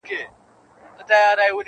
سیوري د ولو بوی د سنځلو -